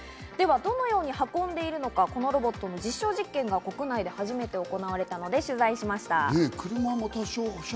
どのように運んでいるのか、このロボットの実証実験が国内で初めて行われたので取材しました。